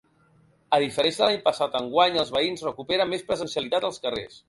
A diferència de l’any passat, enguany els veïns recuperen més presencialitat als carrers.